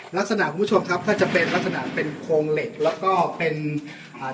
คุณผู้ชมครับก็จะเป็นลักษณะเป็นโครงเหล็กแล้วก็เป็นอ่า